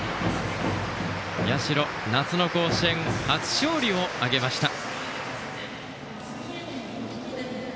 社、夏の甲子園初勝利を挙げました。